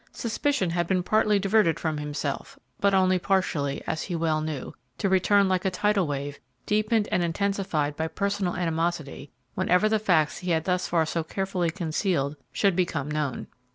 Suspicion had been partially diverted from himself, but only partially, as he well knew, to return like a tidal wave, deepened and intensified by personal animosity, whenever the facts he had thus far so carefully concealed should become known.